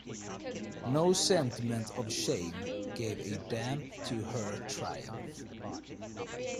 No sentiment of shame gave a damp to her triumph.